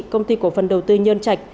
công ty cổ phần đầu tư nhơn trạch